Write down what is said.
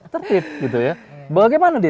tertib gitu ya bagaimana dia